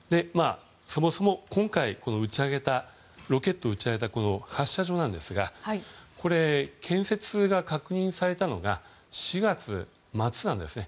そもそも今回ロケットを打ち上げた発射場なんですが建設が確認されたのが４月末なんですね。